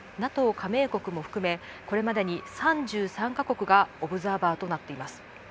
加盟国も含めこれまでに３３か国がオブザーバーとなっています。